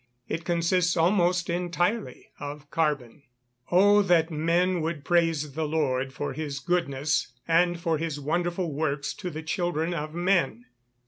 It consists almost entirely of carbon. [Verse: "Oh that men would praise the Lord for his goodness, and for his wonderful works to the children of men."